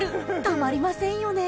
たまりませんよね］